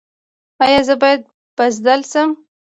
ایا زه باید بزدل شم؟